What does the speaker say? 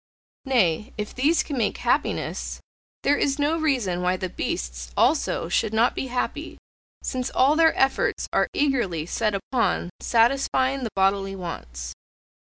Nay, if these can make happiness, there is no reason why the beasts also should not be happy, since all their efforts are eagerly set upon satisfying the bodily wants.